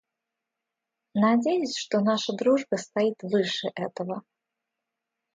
Надеюсь, что наша дружба стоит выше этого.